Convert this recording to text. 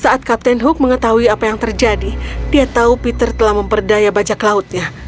saat kapten hook mengetahui apa yang terjadi dia tahu peter telah memperdaya bajak lautnya